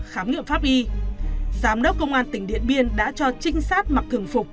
khám nghiệm pháp y giám đốc công an tỉnh điện biên đã cho trinh sát mặc thường phục